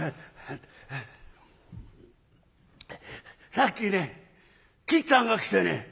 「さっきねきっつぁんが来てね